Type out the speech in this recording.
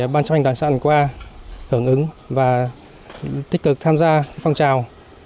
ban chăm hành đoàn sản qua hướng ứng và tích cực tham gia phong trào